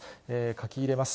書き入れます。